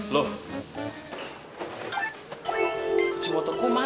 lo ngitung dari dua puluh oke